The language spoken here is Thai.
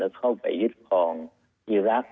และเข้าไปยึดครองอีรักษณ์